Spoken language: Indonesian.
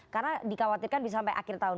karena dikhawatirkan bisa sampai akhir tahun